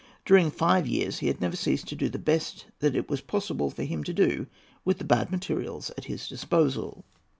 During five years he had never ceased to do the best that it was possible for him to do with the bad materials at his disposal.